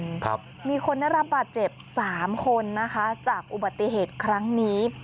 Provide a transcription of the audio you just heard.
ครับมีคนได้รับบาดเจ็บสามคนนะคะจากอุบัติเหตุครั้งนี้